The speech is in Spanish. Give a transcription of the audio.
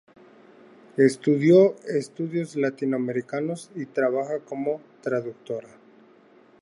Estudió estudios latinoamericanos y trabajó como traductora.